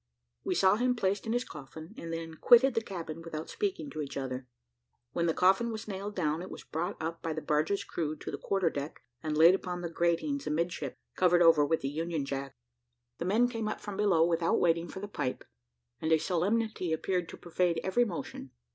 We saw him placed in his coffin, and then quitted the cabin without speaking to each other. When the coffin was nailed down, it was brought up by the barge's crew to the quarter deck, and laid upon the gratings amidships, covered over with the Union Jack. The men came up from below without waiting for the pipe, and a solemnity appeared to pervade every motion.